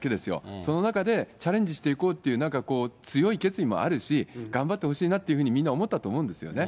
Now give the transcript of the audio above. その中で、チャレンジしていこうという強い決意もあるし、頑張ってほしいなというふうにみんな思ったと思うんですよね。